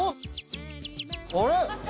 あれ？